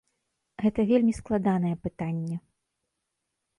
Гэта вельмі складанае пытанне.